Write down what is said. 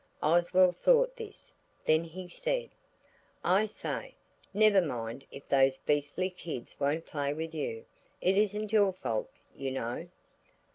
Oswald thought this, then he said– "I say; never mind if those beastly kids won't play with you. It isn't your fault, you know."